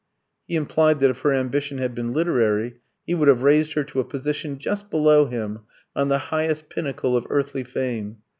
He implied that if her ambition had been literary he would have raised her to a position just below him, on the highest pinnacle of earthly fame.